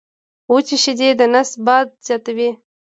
وچي شیدې د نس باد زیاتوي.